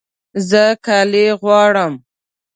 زه کالي غواړم